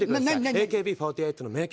ＡＫＢ４８の名曲